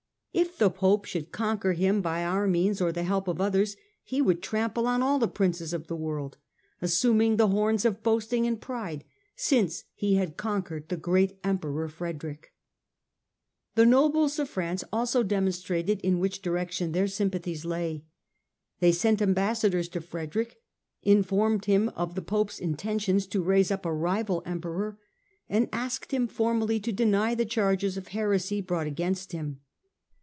If the Pope should conquer him by our means, or the help of others, he would trample on all the Princes of the world, assuming the horns of boasting and pride, since he had conquered the great Emperor Frederick." The nobles of France also demonstrated in which direction their sympathies lay. They sent ambassadors to Frederick, informed him of the Pope's intentions to raise up a rival Emperor, and asked him formally to deny the charges of heresy brought against him.